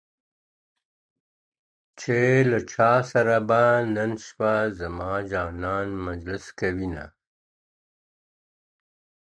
چي له چا سره به نن شپه زما جانان مجلس کوینه.